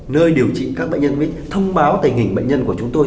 nơi điều trị các bệnh nhân mới thông báo tình hình bệnh nhân của chúng tôi